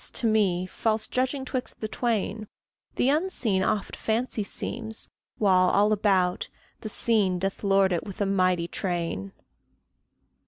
to me, false judging 'twixt the twain, The Unseen oft fancy seems, while, all about, The Seen doth lord it with a mighty train.